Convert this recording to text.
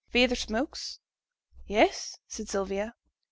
'Feyther smokes?' 'Yes,' said Sylvia.